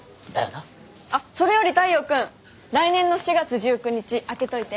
あっそれより太陽君来年の４月１９日空けといて。